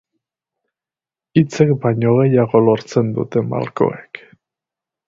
Hitzek baino gehiago lortzen dute malkoek.